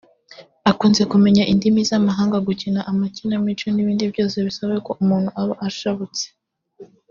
Akunze kumenya indimi z’amahanga gukina amakinamico n’ibindi byose bisaba ko umuntu aba ashabutse